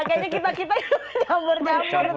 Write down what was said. kayaknya kita kita campur campur